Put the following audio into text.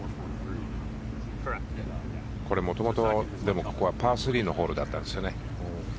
これ、もともとパー３のホールだったんですよ。